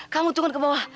kamu turun ke bawah